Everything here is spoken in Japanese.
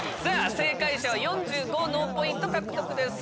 正解者４５脳ポイント獲得です。